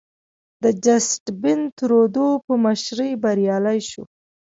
د جسټین ترودو په مشرۍ بریالی شو.